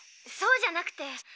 そうじゃなくて。